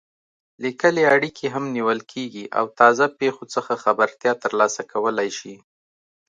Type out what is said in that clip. لیکلې اړیکې هم نیول کېږي او تازه پېښو څخه خبرتیا ترلاسه کولای شي.